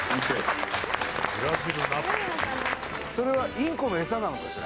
それはインコのエサなのかしら？